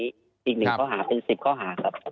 อีกหนึ่งข้อหาเป็น๑๐ข้อหาครับ